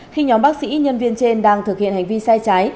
khi nhóm bác sĩ nhân viên trên đang thực hiện hành vi sai trái